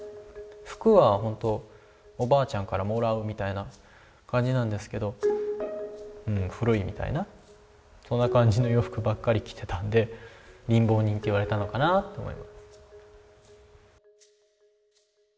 服はほんとおばあちゃんからもらうみたいな感じなんですけど古いみたいなそんな感じの洋服ばっかり着てたので貧乏人って言われたのかなと思います。